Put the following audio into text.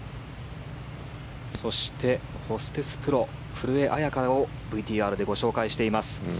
そして、ホステスプロ古江彩佳をＶＴＲでご紹介しています。